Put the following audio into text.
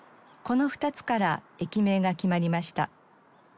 この２つから駅名が決まりました。